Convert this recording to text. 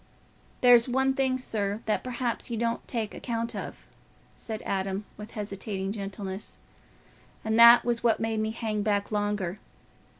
"There's one thing, sir, that perhaps you don't take account of," said Adam, with hesitating gentleness, "and that was what made me hang back longer.